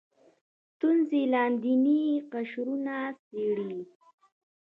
ستونزې لاندیني قشرونه څېړي